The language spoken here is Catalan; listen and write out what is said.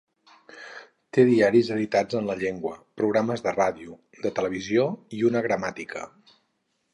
Té diaris editats en la llengua, programes de ràdio, de televisió i una gramàtica.